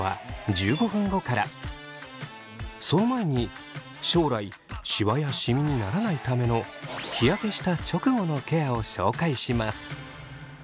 その前に将来シワやシミにならないための日焼けした直後のケアを紹介します。